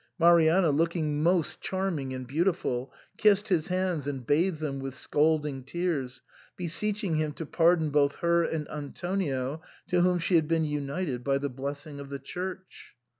Mari anna, looking most charming and beautiful, kissed his hands and bathed them with scalding tears, beseeching him to pardon both her and Antonio, to whom she had been united by the blessing of the Church.